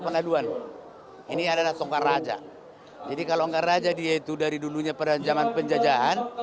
pengaduan ini adalah tongkat raja jadi kalau enggak raja dia itu dari dulunya pada zaman penjajahan